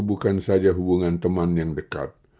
bukan saja hubungan teman yang dekat